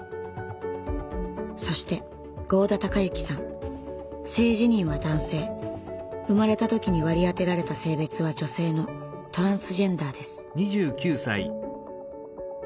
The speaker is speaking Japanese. そして性自認は男性生まれた時に割り当てられた性別は女性のトランスジェンダーです。